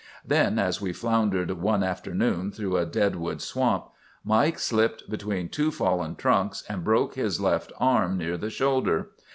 "Then, as we floundered one afternoon through a deadwood swamp, Mike slipped between two fallen trunks, and broke his left arm near the shoulder.